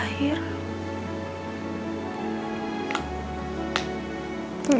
pada hari ini